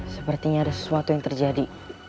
sepertinya ada sesuatu yang terjadi